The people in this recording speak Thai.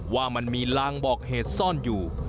ว่ามันมีลางบอกเหตุซ่อนอยู่